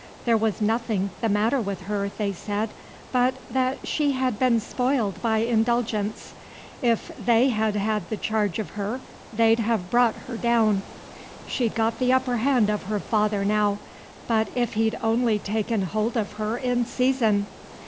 There was nothing the matter with her, they said, but that she had been spoiled by indulgence. If they had had the charge of her, they'd have brought her down. She'd got the upperhand of her father now; but if he'd only taken hold of her in season!